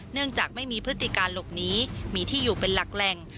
เนื่องจากไม่มีพฤติการหลบหนีมีที่อยู่เป็นหลักแหล่ง